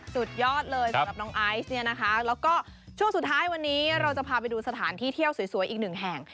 สุดยอดเลยสำหรับน้องไอซ์เนี่ยนะคะแล้วก็ช่วงสุดท้ายวันนี้เราจะพาไปดูสถานที่เที่ยวสวยอีกหนึ่งแห่ง